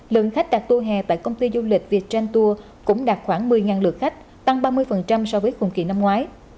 lần khách đạt tour hè tại công ty du lịch viettran tour cũng đạt khoảng một mươi lượt khách tăng ba mươi so với cùng kỳ năm ngoái